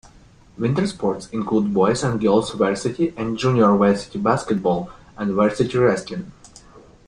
Winter sports include boys and girls varsity and junior varsity basketball, and varsity wrestling.